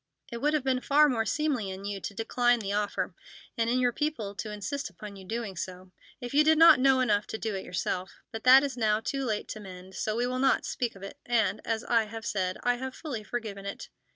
It would have been far more seemly in you to decline the offer, and in your people to insist upon your doing so, if you did not know enough to do it yourself. But that is now too late to mend, so we will not speak of it, and, as I have said, I have fully forgiven it.